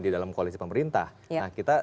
di dalam koalisi pemerintahan kita